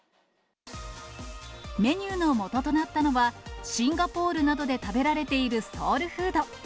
メニューのもととなったのは、シンガポールなどで食べられているソウルフード。